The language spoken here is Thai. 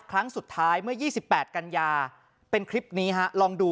ครั้งสุดท้ายเมื่อ๒๘กันยาเป็นคลิปนี้ฮะลองดู